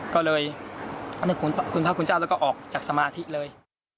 ก็เลยคุณพระคุณเจ้าแล้วก็ออกจากสมาธิเลย